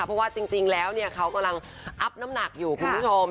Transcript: เพราะว่าจริงแล้วเนี่ยเขากำลังอัพน้ำหนักอยู่คุณผู้ชม